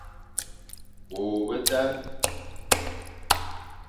Bô betan,